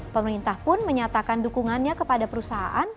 pemerintah pun menyatakan dukungannya kepada perusahaan